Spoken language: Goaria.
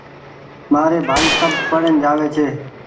مآري ڀآئي سب پڙين جآوي ڇي